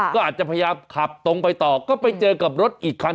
ก็อาจจะขับตรงไปต่อก็ไปเจอกับรถอีกครั้ง